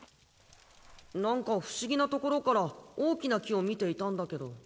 なんか不思議な所から大きな木を見ていたんだけど。